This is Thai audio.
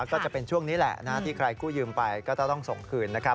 ก็จะเป็นช่วงนี้แหละนะที่ใครกู้ยืมไปก็ต้องส่งคืนนะครับ